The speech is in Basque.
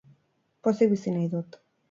Pozik bizi nahi dut.